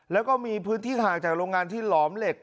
แล้วก็มีพื้นที่ห่างจากโรงงานที่หลอมเหล็ก